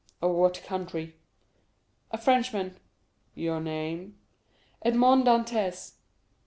"Of what country?" "A Frenchman." "Your name?" "Edmond Dantès."